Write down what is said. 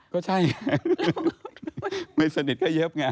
ก็ใช่ไงไม่สนิทก็เย็บไง